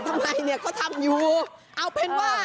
โห้โหต้องไปถามหมอปราเลยเหรอ